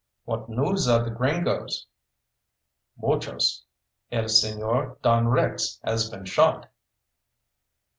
"What news of the gringoes?" "Muchos. El Señor Don Rex has been shot."